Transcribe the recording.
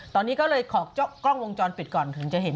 ตอนนี้ก็เลยขอกล้องวงจรปิดก่อนถึงจะเห็น